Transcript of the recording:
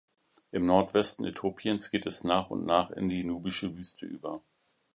Im Nordwesten Äthiopiens geht es nach und nach in die Nubische Wüste über.